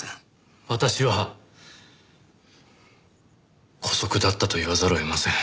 私は姑息だったと言わざるを得ません。